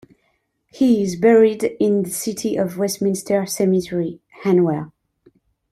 He is buried in City of Westminster Cemetery, Hanwell.